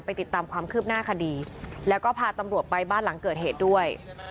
ติดตามความคืบหน้าคดีแล้วก็พาตำรวจไปบ้านหลังเกิดเหตุด้วย